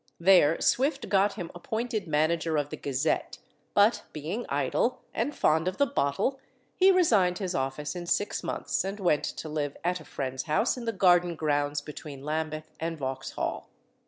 There Swift got him appointed manager of the Gazette; but being idle, and fond of the bottle, he resigned his office in six months, and went to live at a friend's house in the garden grounds between Lambeth and Vauxhall.